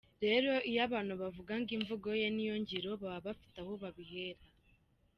Rero iyo abantu bavuga ngo imvugo ye niyo ngiro baba bafite aho babihera.